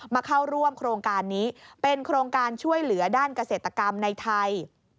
เข้าร่วมโครงการนี้เป็นโครงการช่วยเหลือด้านเกษตรกรรมในไทย